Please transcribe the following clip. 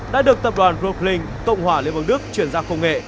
đã được tập đoàn brooklyn cộng hòa liên bang đức chuyển ra công nghệ